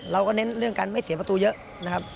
เน้นเรื่องการไม่เสียประตูเยอะนะครับ